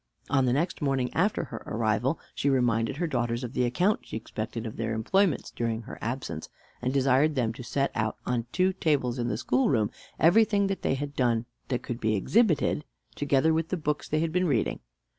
On the next morning after her arrival she reminded her daughters of the account she expected of their employments during her absence, and desired them to set out on two tables in the schoolroom everything they had done that could be exhibited, together with the books they had been reading.